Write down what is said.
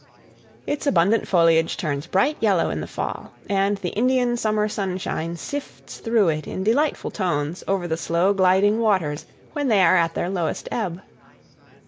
Its abundant foliage turns bright yellow in the fall, and the Indian summer sunshine sifts through it in delightful tones over the slow gliding waters when they are at their lowest ebb.